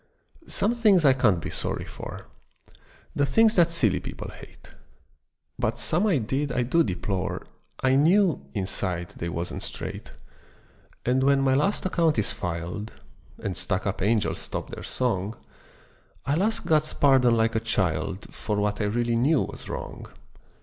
Some things I can't be sorry for, The things that silly people hate: But some I did I do deplore, I knew, inside, they wasn't straight. And when my last account is filed, And stuck up angels stop their song, I'll ask God's pardon like a child For what I really knew was wrong.